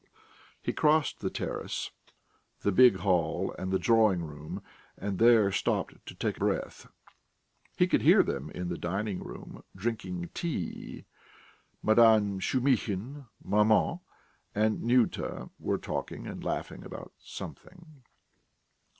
He crossed the terrace, the big hall and the drawing room, and there stopped to take breath. He could hear them in the dining room, drinking tea. Madame Shumihin, maman, and Nyuta were talking and laughing about something.